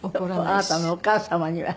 あなたのお母様には。